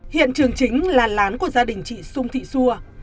hiện trường chính là lán của gia đình chị sung thị xua